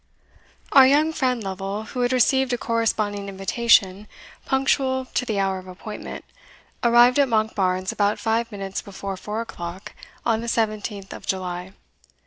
Our young friend Lovel, who had received a corresponding invitation, punctual to the hour of appointment, arrived at Monkbarns about five minutes before four o'clock on the 17th of July.